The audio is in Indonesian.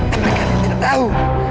karena kalian tidak tahu